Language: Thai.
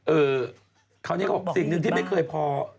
คราวนี้เขาบอกสิ่งหนึ่งที่ไม่เคยพอ